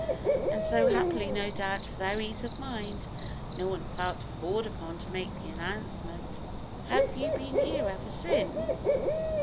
And so, happily, no doubt, for their ease of mind, no one felt called upon to make the announcement. "Have you been here ever since?"